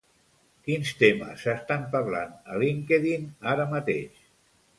Quins temes s'estan parlant a LinkedIn ara mateix?